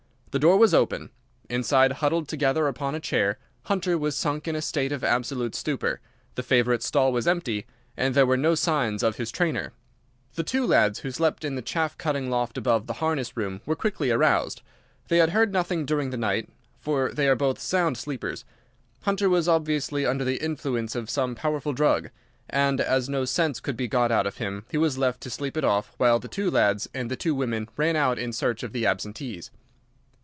The door was open; inside, huddled together upon a chair, Hunter was sunk in a state of absolute stupor, the favourite's stall was empty, and there were no signs of his trainer. "The two lads who slept in the chaff cutting loft above the harness room were quickly aroused. They had heard nothing during the night, for they are both sound sleepers. Hunter was obviously under the influence of some powerful drug, and as no sense could be got out of him, he was left to sleep it off while the two lads and the two women ran out in search of the absentees.